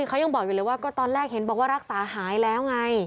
เขายังบอกอยู่เลยว่าก็ตอนแรกเห็นบอกว่ารักษาหายแล้วไง